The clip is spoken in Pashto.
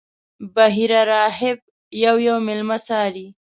بحیرا راهب یو یو میلمه څاري.